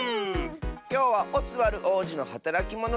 きょうは「オスワルおうじのはたらきモノ」